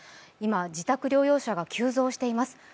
今、自宅療養者が急増しています。